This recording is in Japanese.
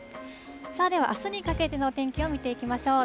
では、あすにかけての天気を見ていきましょう。